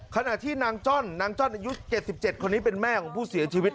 ขณะที่นางจ้อนนางจ้อนอายุ๗๗คนนี้เป็นแม่ของผู้เสียชีวิต